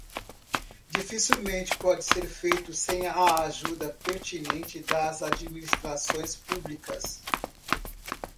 Dificilmente pode ser feito sem a ajuda pertinente das administrações públicas.